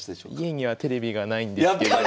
家にはテレビが無いんですけど。